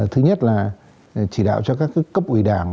thứ nhất là chỉ đạo cho các cấp ủy đảng